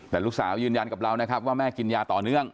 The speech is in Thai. แต่ลูกสาวยืนยันกับเรานะครับว่าแม่กินยาต่อเนื่อง